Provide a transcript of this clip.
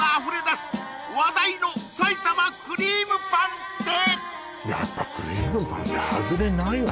話題の埼玉クリームパンって？